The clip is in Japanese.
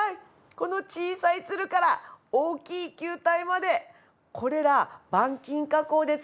この小さい鶴から大きい球体までこれら板金加工で作られているんです。